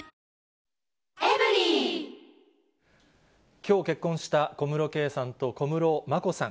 きょう結婚した小室圭さんと小室眞子さん。